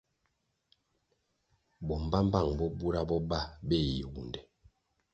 Bo mbpambpang bo bura bo ba beh Yewunde.